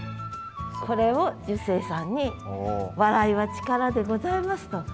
これを寿星さんに「笑い」は力でございますと。